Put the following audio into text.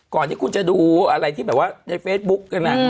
ก่อนที่คุณจะดูอะไรที่แบบว่าในเฟซบุ๊กกัน